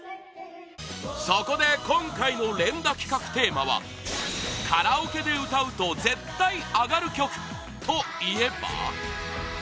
そこで今回の連打企画テーマはカラオケで歌うと絶対アガる曲といえば？